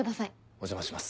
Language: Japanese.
お邪魔します。